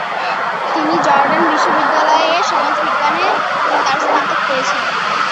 তিনি জর্ডান বিশ্ববিদ্যালয়-এ সমাজবিজ্ঞানে তার স্নাতক করেছেন।